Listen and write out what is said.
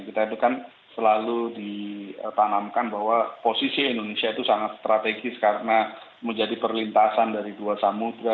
kita itu kan selalu ditanamkan bahwa posisi indonesia itu sangat strategis karena menjadi perlintasan dari dua samudera